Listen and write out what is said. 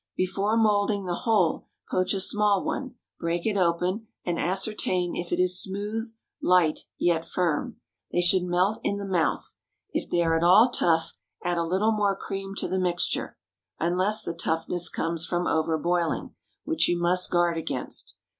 Before moulding the whole, poach a small one, break it open, and ascertain if it is smooth, light, yet firm. They should melt in the mouth. If they are at all tough, add a little more cream to the mixture, unless the toughness comes from over boiling, which you must guard against.